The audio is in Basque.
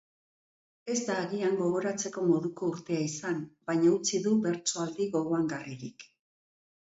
Ez da agian gogoratzeko moduko urtea izan, baina utzi du bertsoaldi gogoangarririk.